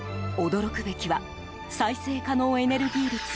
驚くべきは再生エネルギー率